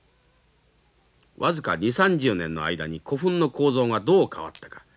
僅か２０３０年の間に古墳の構造がどう変わったか。